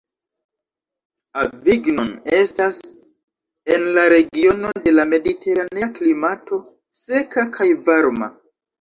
Avignon estas en la regiono de la mediteranea klimato, seka kaj varma.